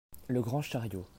Le Grand chariot.